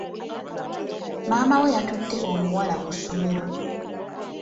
Maama we yatutte omuwala ku ssomero.